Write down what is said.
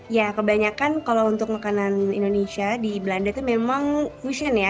ya kebanyakan kalau untuk makanan indonesia di belanda itu memang fusion ya